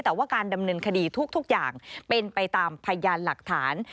แต่ว่าการดำเนินคดีทุกอย่างเป็นไปตามพยานหลักฐาน